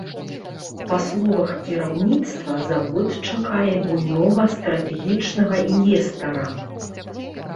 Па словах кіраўніцтва, завод чакае буйнога стратэгічнага інвестара.